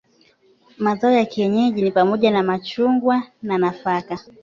Mazao ya kienyeji ni pamoja na machungwa na nafaka.